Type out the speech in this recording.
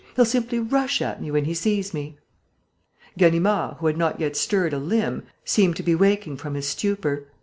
He'll simply rush at me when he sees me!'" Ganimard, who had not yet stirred a limb, seemed to be waking from his stupor.